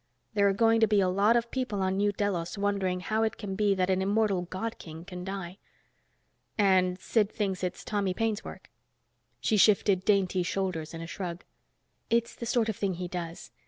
There are going to be a lot of people on New Delos wondering how it can be that an immortal God King can die." "And Sid thinks it's Tommy Paine's work?" She shifted dainty shoulders in a shrug. "It's the sort of thing he does.